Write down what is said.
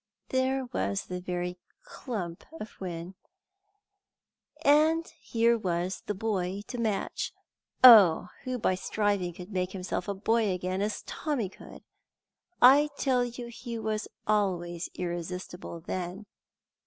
There was the very clump of whin. And here was the boy to match. Oh, who by striving could make himself a boy again as Tommy could! I tell you he was always irresistible then.